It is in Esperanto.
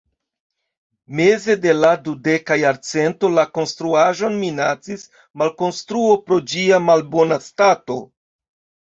Meze de la dudeka jarcento la konstruaĵon minacis malkonstruo pro ĝia malbona stato.